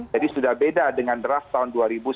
jadi sudah beda dengan draft tahun dua ribu sembilan belas